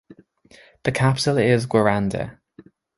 The capital is Guaranda.